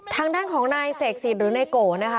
ทางด้านของนายเสกสิทธิ์หรือนายโกนะคะ